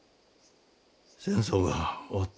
戦争が終わった。